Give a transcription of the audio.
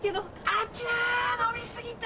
あちゃ飲み過ぎた。